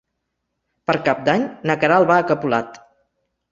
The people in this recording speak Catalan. Per Cap d'Any na Queralt va a Capolat.